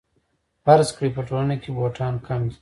فرض کړئ په ټولنه کې بوټان کم دي